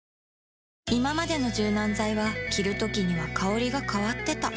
いままでの柔軟剤は着るときには香りが変わってた